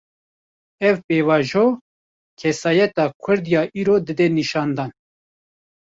Ev pêvajo, kesayeta Kurd ya îro dide nîşandan